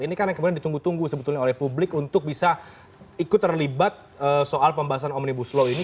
ini kan yang kemudian ditunggu tunggu sebetulnya oleh publik untuk bisa ikut terlibat soal pembahasan omnibus law ini